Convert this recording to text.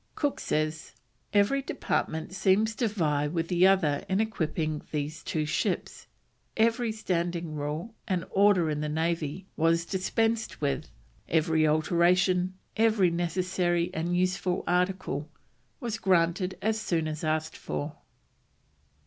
Cook says: "Every department seemed to vie with the other in equiping these two ships, every standing rule and order in the Navy was dispensed with, every alteration, every necessary and useful article, was granted as soon as asked for."